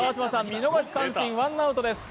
見逃し三振ワンアウトです。